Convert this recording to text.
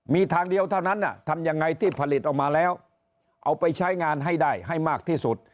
มีทางเดียวเท่านั้นทำยังไงที่ผลิตออกมาแล้วเอาไปใช้งานให้ได้ให้มากที่สุด